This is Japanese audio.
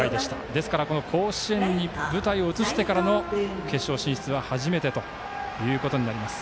ですから、この甲子園に舞台を移してからの決勝進出は初めてとなります。